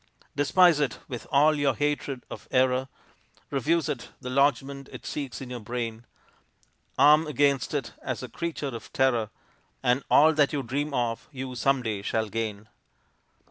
Despise it with all of your hatred of error; Refuse it the lodgment it seeks in your brain; Arm against it as a creature of terror, And all that you dream of you some day shall gain.